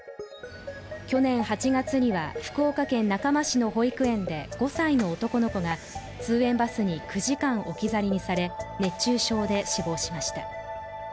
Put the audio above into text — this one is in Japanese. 去年８月には福岡県中間市の保育園で５歳の男の子が通園バスに９時間置き去りにされ熱中症で死亡しました。